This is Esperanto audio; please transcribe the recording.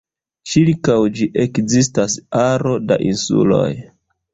Ĉirkaŭ ĝi ekzistas aro da insuloj.